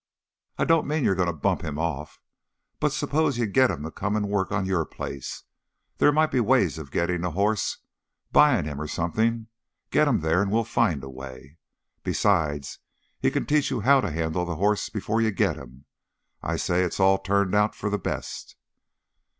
"I don't mean you're going to bump him off. But suppose you get him to come and work on your place? There might be ways of getting the hoss buying him or something. Get him there, and we'll find a way. Besides, he can teach you how to handle the hoss before you get him. I say it's all turned out for the best."